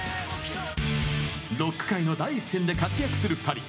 ロック界の第一線で活躍する２人。